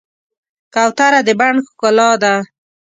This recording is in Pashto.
کوتره د بڼ ښکلا ده.